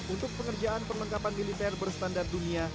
untuk pengerjaan perlengkapan militer berstandar dunia